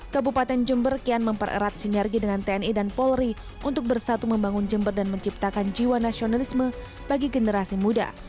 kabupaten jember kian mempererat sinergi dengan tni dan polri untuk bersatu membangun jember dan menciptakan jiwa nasionalisme bagi generasi muda